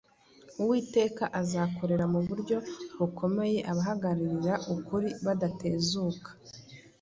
Uwiteka azakorera mu buryo bukomeye abahagararira ukuri badatezuka.